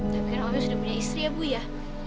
tapi kan om yos udah punya istri ya bu ya